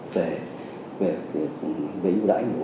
về vệ dụ đại